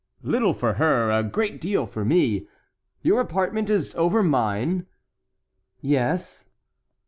"Little for her, a great deal for me. Your apartment is over mine?" "Yes."